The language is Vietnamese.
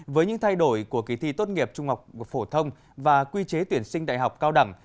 với những thay đổi của kỳ thi tốt nghiệp trung học phổ thông và quy chế tuyển sinh đại học cao đẳng